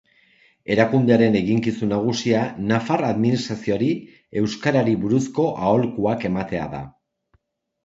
Erakundearen eginkizun nagusia nafar administrazioari euskarari buruzko aholkuak ematea da.